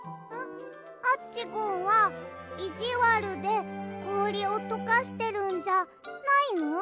アッチゴンはいじわるでこおりをとかしてるんじゃないの？